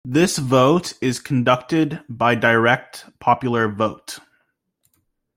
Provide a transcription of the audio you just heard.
This vote is conducted by direct popular vote.